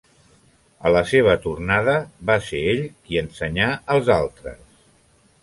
A la seva tornada, va ser ell qui ensenyà als altres.